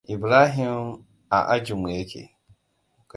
Ibrahima a ajinku yake?